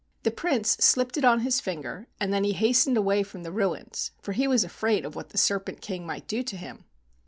The Prince slipped it on his finger, and then he hastened away from the ruins, for he was afraid of what the Serpent King might do to him.